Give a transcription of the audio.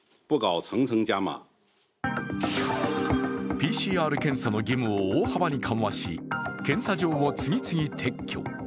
ＰＣＲ検査の義務を大幅に緩和し検査場を次々撤去。